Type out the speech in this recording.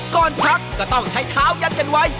ชักก็ต้องใช้เท้ายัดกันไว้